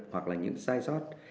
hoặc là những sai sót